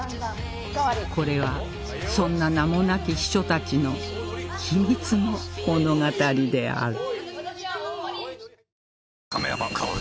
これはそんな名もなき秘書たちの秘密の物語である